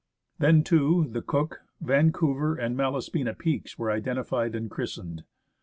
Then, too, the Cook, Vancouver, and Malaspina peaks were identified and christened.